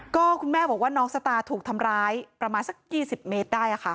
ก็คุณแม่บอกว่าน้องสตาร์ถูกทำร้ายประมาณสัก๒๐เมตรได้ค่ะ